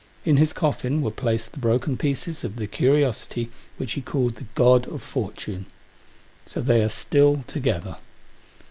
In his coffin were placed the broken pieces of the curiosity which he called the God of Fortune. So they are still together.